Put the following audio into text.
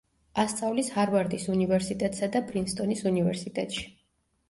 ასწავლის ჰარვარდის უნივერსიტეტსა და პრინსტონის უნივერსიტეტში.